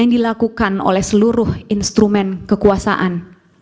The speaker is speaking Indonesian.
ketiga keperluan dan kekuasaan